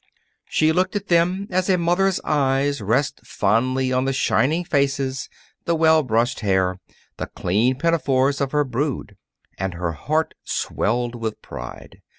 She looked at them as a mother's eyes rest fondly on the shining faces, the well brushed hair, the clean pinafores of her brood. And her heart swelled with pride.